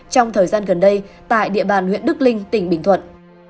trong thời gian gần đây tại địa bàn huyện đức linh tỉnh bình thuận